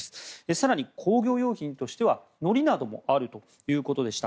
更に、工業用品としてはのりなどもあるということでした。